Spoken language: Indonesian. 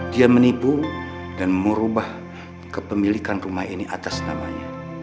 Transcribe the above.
dia menipu dan merubah kepemilikan rumah ini atas namanya